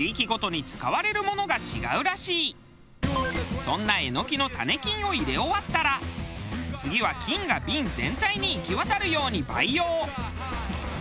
そんなエノキの種菌を入れ終わったら次は菌が瓶全体に行き渡るように培養。